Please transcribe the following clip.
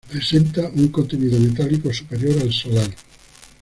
Presenta un contenido metálico superior al solar.